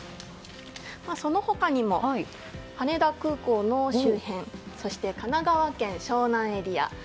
その他にも、羽田空港の周辺そして神奈川県湘南エリア